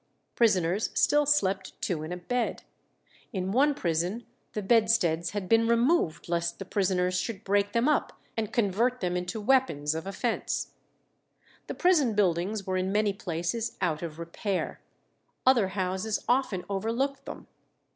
Prisoners still slept two in a bed. In one prison the bedsteads had been removed lest the prisoners should break them up and convert them into weapons of offence. The prison buildings were in many places out of repair; other houses often overlooked them.